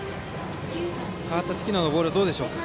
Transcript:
代わった月野のボールはどうですか。